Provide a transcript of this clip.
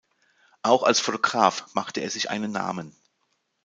Auch als Fotograf machte er sich einen Namen.